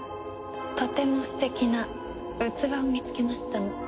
とても素敵な器を見つけましたの。